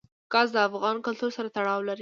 ګاز د افغان کلتور سره تړاو لري.